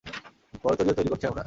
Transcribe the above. বড় তরীও তৈরি করছি আমরা?